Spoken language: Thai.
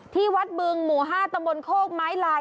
ที่วัดบึงหมู่๕ตำบลโคกไม้ลาย